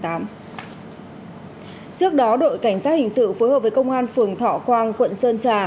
trước đó đội cảnh sát hình sự phối hợp với công an phường thọ quang quận sơn trà